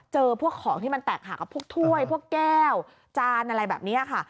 เจอพวกของที่มันแตกหากับพวกถ้วยพวกแก้วจานอะไรแบบนี้ค่ะ